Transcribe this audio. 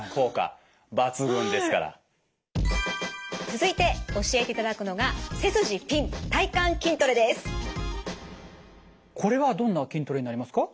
続いて教えていただくのがこれはどんな筋トレになりますか？